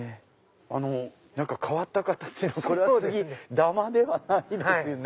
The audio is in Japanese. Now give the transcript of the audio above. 何か変わった形のこれは杉玉ではないですよね。